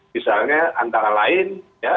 misalnya antara lain